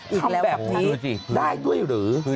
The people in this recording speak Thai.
อีกแล้วครับพี่พื้นดำดูสิพื้นดำได้ด้วยหรือ